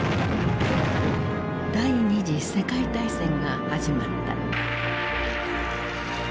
第二次世界大戦が始まった。